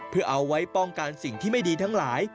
เพื่อเอาไว้ป้องกันสิ่งที่ไม่ดีทั้งหลาย